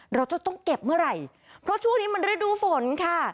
เราจะต้องเก็บเมื่อไหร่เพราะช่วงนี้มันฤดูฝนค่ะ